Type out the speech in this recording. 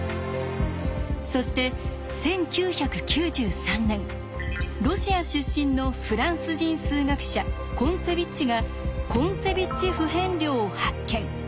そして１９９３年ロシア出身のフランス人数学者コンツェビッチがコンツェビッチ不変量を発見。